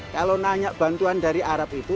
kalau nanya bantuan dari arab itu